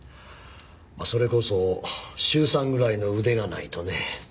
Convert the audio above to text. それこそ修さんぐらいの腕がないとね。